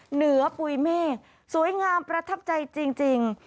เหนือปุ๋ยเมฆสวยงามประทับใจจริง